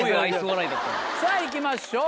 さぁいきましょう。